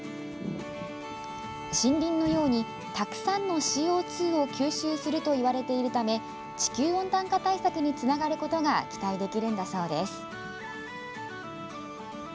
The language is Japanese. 森林のようにたくさんのＣＯ２を吸収するといわれているため地球温暖化対策につながることが期待できるんだそうです。